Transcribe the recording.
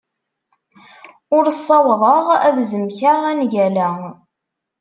Ur ssawḍeɣ ad zemkeɣ angal-a.